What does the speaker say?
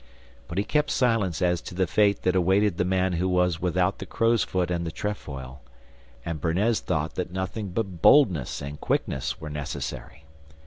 But he kept silence as to the fate that awaited the man who was without the crowsfoot and the trefoil, and Bernez thought that nothing but boldness and quickness were necessary.